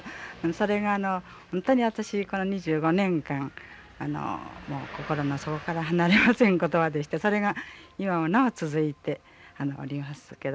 それがあのほんとに私この２５年間心の底から離れません言葉でしてそれが今もなお続いておりますけど。